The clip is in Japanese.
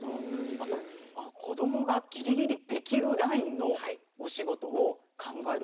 あと子どもがギリギリできるラインのお仕事を考える